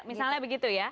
misalnya begitu ya